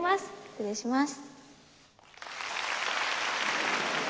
失礼します。